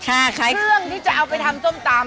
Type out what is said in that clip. เครื่องที่จะเอาไปทำส้มตำ